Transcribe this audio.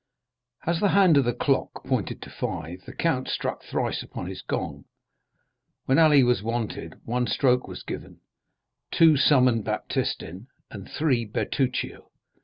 As the hand of the clock pointed to five the count struck thrice upon his gong. When Ali was wanted one stroke was given, two summoned Baptistin, and three Bertuccio.